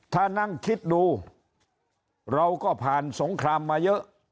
ถ้านั่งคิดดูเราก็ผ่านสงครามมาเยอะ